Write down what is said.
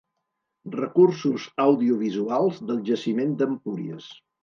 Recursos audiovisuals del Jaciment d'Empúries.